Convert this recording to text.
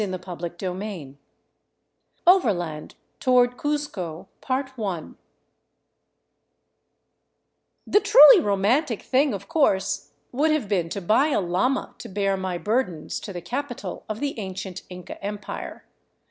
341 CHAPTER XIV • OVERLAND TOWARD CUZCO THE truly romantic thing, of course, would have been to buy a llama to bear my burdens to the capital of the ancient Inca Empire.